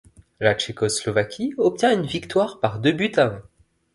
La Tchécoslovaquie obtient une victoire par deux buts à un.